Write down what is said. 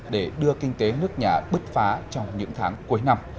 để đưa kinh tế nước nhà bứt phá trong những tháng cuối năm